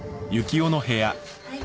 はい。